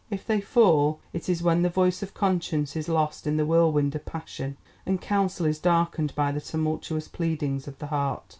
If they fall, it is when the voice of conscience is lost in the whirlwind of passion, and counsel is darkened by the tumultuous pleadings of the heart.